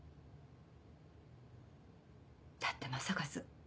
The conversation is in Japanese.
だって正和